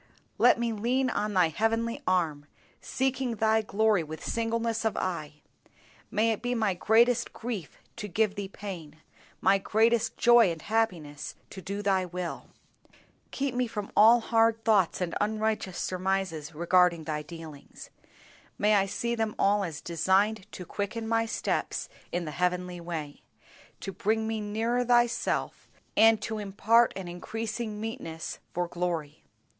Let me lean on Thy heavenly arm, seeking Thy glory with singleness of eye. May it be my greatest grief to give Thee pain, my greatest joy and happiness to do Thy will. Keep me from all hard thoughts and unrighteous surmises regarding Thy dealings. May I see them all as designed to quicken my steps in the heavenly way, to bring me nearer Thyself, and to impart an increasing meetness for glory.